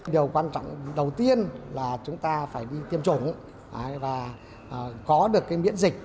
điều quan trọng đầu tiên là chúng ta phải đi tiêm chủng và có được miễn dịch